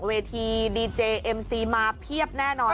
เวทีดีเจเอ็มซีมาเพียบแน่นอน